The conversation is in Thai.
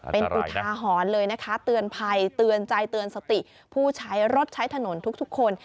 เป็นอุทาหรณ์เลยนะคะเตือนภัยเตือนใจเตือนสติผู้ใช้รถใช้ถนนทุกคน